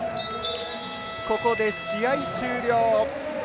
ここで試合終了。